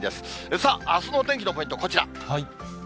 さあ、あすのお天気のポイント、こちら。